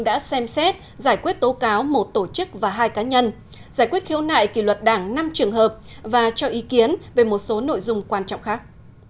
căn cứ quy định của đảng về xử lý kỳ luật đảng năm trường hợp và cho ý kiến về một số nội dung quan trọng khác